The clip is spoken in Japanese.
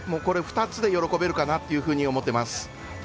２つで喜べるかなと思ってます。